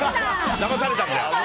だまされたんだよ。